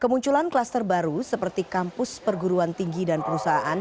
kemunculan kluster baru seperti kampus perguruan tinggi dan perusahaan